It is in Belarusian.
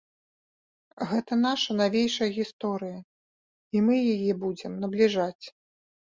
Гэта наша навейшая гісторыя, і мы яе будзем набліжаць.